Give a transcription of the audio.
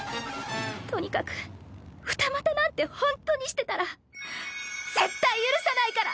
とにかく二股なんてほんとにしてたら絶対許さないから！